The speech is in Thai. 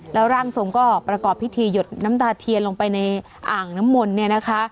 แล้วร่างทรงก็ประกอบพิธีหยดน้ำตาเทียนลงไปในอ่างน้ำมนต์เนี่ยนะคะ